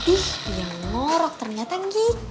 ih dia ngorok ternyata ngiko